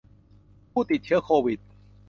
ผู้ติดเชื้อโควิด